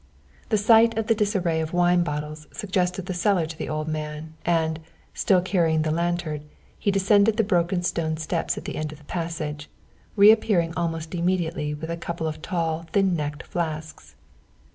The sight of the disarray of wine bottles suggested the cellar to the old man, and, still carrying the lantern, he descended the broken stone steps at the end of the passage, reappearing almost immediately with a couple of tall thin necked flasks.